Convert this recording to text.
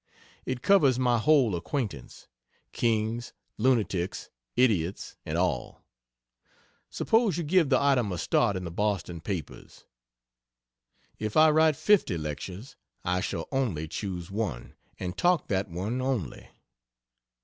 It covers my whole acquaintance kings, lunatics, idiots and all. Suppose you give the item a start in the Boston papers. If I write fifty lectures I shall only choose one and talk that one only.